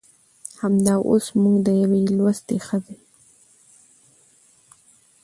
همدا اوس موږ د يوې لوستې ښځې